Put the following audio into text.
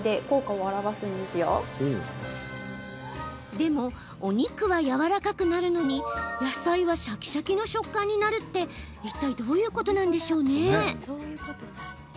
でも、お肉はやわらかくなるのに野菜はシャキシャキの食感になるっていったいどういうことなの？